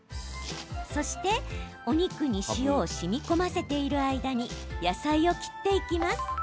そしてお肉に塩をしみこませている間に野菜を切っていきます。